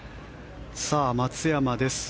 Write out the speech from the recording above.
松山です。